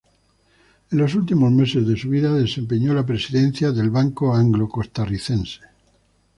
En los últimos meses de su vida desempeñó la presidencia del Banco Anglo Costarricense.